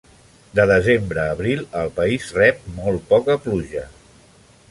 De desembre a abril, el país rep molt poca pluja.